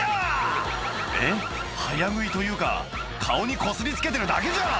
えっ早食いというか顔にこすりつけてるだけじゃん